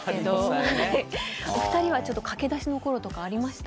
お二人は駆け出しのころとかありましたか？